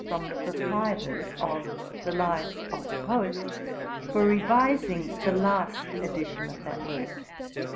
from the proprietors of The Lives of the Poets for revising the last edition of that work.'